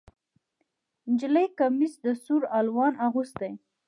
نجلۍ کمیس د سور الوان اغوستی